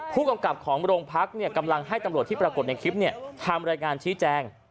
ผู้กำกับของโรงพักกำลังให้ตำรวจที่ปรากฏในคลิปทำรายงานชี้แจง